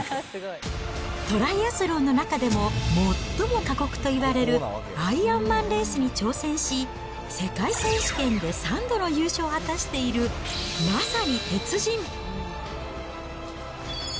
トライアスロンの中でも最も過酷といわれるアイアンマンレースに挑戦し、世界選手権で３度の優勝を果たしているまさに鉄人。